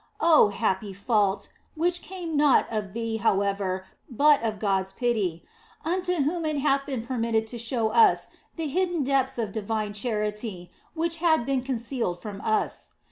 Oh happy fault (which came not of thee, however, but of God s pity), unto whom it hath been permitted to show us the hidden depths of divine charity which had been concealed from us.